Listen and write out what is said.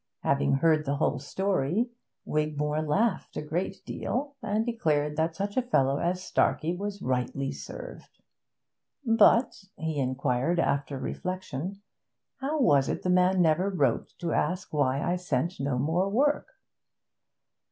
Having heard the whole story, Wigmore laughed a great deal, and declared that such a fellow as Starkey was rightly served. 'But,' he inquired, after reflection, 'how was it the man never wrote to ask why I sent no more work?'